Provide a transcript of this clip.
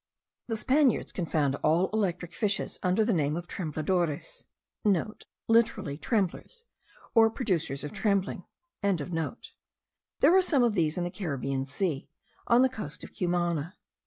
The Spaniards confound all electric fishes under the name of tembladores.* (* Literally "tremblers," or "producers of trembling.") There are some of these in the Caribbean Sea, on the coast of Cumana.